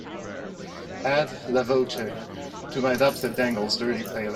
add la voce to my Dubstep Dangles Dirty playlist